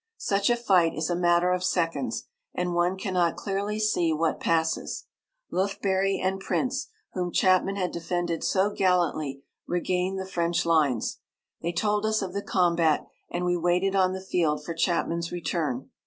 Such a fight is a matter of seconds, and one cannot clearly see what passes. Lufbery and Prince, whom Chapman had defended so gallantly, regained the French lines. They told us of the combat, and we waited on the field for Chapman's return.